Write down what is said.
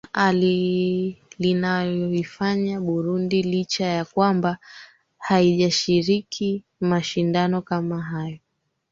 aa linayoifanya burundi licha ya kwamba haijashiriki mashindano kama hayo